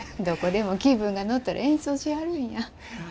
どこでも気分が乗ったら演奏しはるんや。